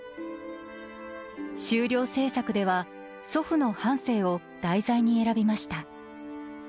修了制作では祖父の半生を題材に選びました。